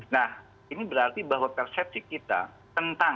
nah ini berarti bahwa persepsi kita tentang